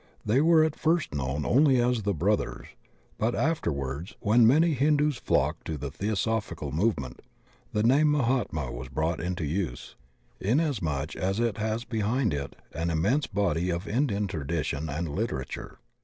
They were at first known only as the Brothers, but afterwards, when many Hin dus flocked to the Theosophical movement, the name Mahatma was brought into use, inasmuch as it has behind it an immense body of Indian tradition and literature.